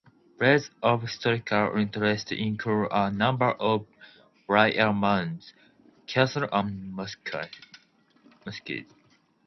Places of historical interest include a number of burial mounds, castles and mosques.